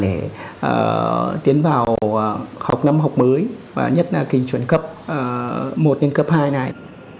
để tiến vào học năm học mới và nhất là kỳ chuẩn cấp một đến cấp hai này